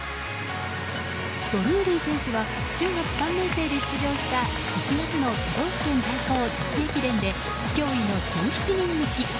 ドルーリー選手は中学３年生で出場した１月の都道府県対抗女子駅伝で驚異の１７人抜き。